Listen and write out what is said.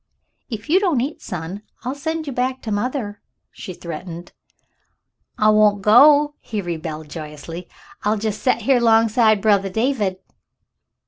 "If you don't eat, son, I'll send you back to mother," she threatened. "I won't go," he rebelled joyously. "I'll jes' set here 'longside brothah David."